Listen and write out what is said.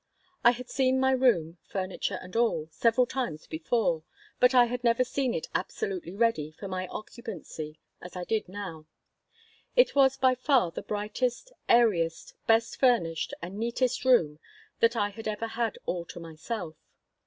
I had seen my room, furniture and all, several times before, but I had never seen it absolutely ready for my occupancy as I did now. It was by far the brightest, airiest, best furnished, and neatest room that I had ever had all to myself.